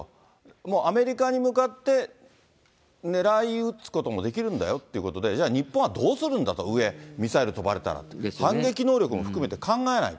もうアメリカに向かって狙い撃つこともできるんだよということで、じゃあ、日本はどうするんだと、上、ミサイル飛ばれたら、反撃能力も含めて考えないと。